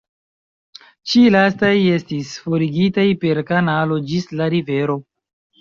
Ĉi lastaj estis forigitaj per kanalo ĝis la rivero.